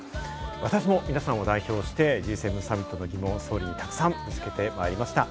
私も皆さんを代表してＧ７サミットへの疑問を総理に沢山ぶつけてきました。